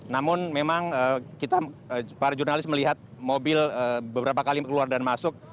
namun memang kita para jurnalis melihat mobil beberapa kali keluar dan masuk